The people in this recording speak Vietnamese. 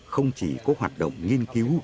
không chỉ có hoạt động nghiên cứu